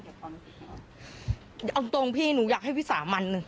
เกี่ยวกับความรู้สึกของเขาเอาตรงพี่หนูอยากให้วิสาห์มัน